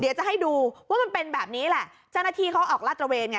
เดี๋ยวจะให้ดูว่ามันเป็นแบบนี้แหละแฟ้นนาธีเขาออกรัสระเวณไง